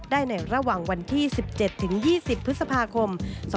ได้ในระหว่างวันที่๑๗๒๐พฤษภาคม๒๕๖๒